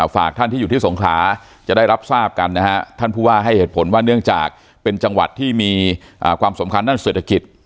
ฝากท่านที่อยู่ที่สงขลาจะได้รับทราบกันนะฮะท่านผู้ว่าให้เหตุผลว่าเนื่องจากเป็นจังหวัดที่มีความสำคัญด้านเศรษฐกิจ